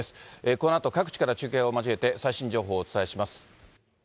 このあと各地から中継を交えて、最新情報をお伝えします。